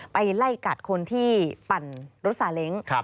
ไปไล่กัดคนที่ปั่นรถซาเล้ง